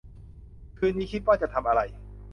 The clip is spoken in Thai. คืนนี้คิดว่าจะทำอะไร